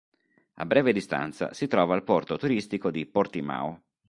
A breve distanza si trova il porto turistico di Portimão.